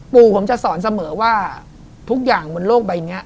ปู่ผมจะสอนเสมอว่าทุกอย่างบนโลกใบนี้